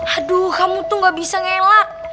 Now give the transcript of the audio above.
aduh kamu tuh gak bisa ngelak